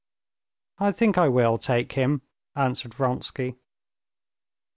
"I think I will take him," answered Vronsky.